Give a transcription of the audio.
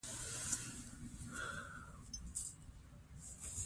کندهاريان شينګياه خوښوي